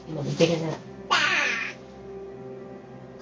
มันมีกลัว